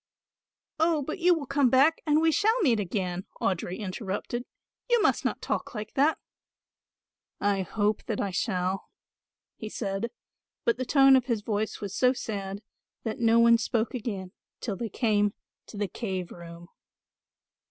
"Oh, but you will come back and we shall meet again," Audry interrupted, "you must not talk like that." "I hope that I shall," he said, but the tone of his voice was so sad that no one spoke again till they came to the cave room.